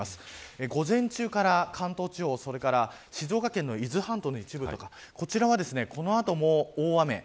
午前中から関東地方、それから静岡県の伊豆半島の一部とかこちらはこの後も大雨。